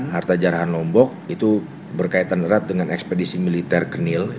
harta jarahan lombok itu berkaitan erat dengan ekspedisi militer kenil